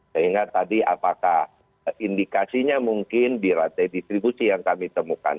sehingga tadi apakah indikasinya mungkin di rantai distribusi yang kami temukan